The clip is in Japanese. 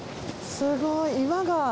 すごい岩が。